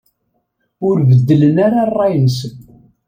Ur beddlen ara ṛṛay-nsen.